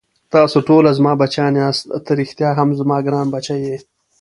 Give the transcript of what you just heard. تاسې ټوله زما بچیان یاست، ته ريښتا هم زما ګران بچی یې.